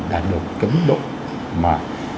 đạt được cái mức độ mà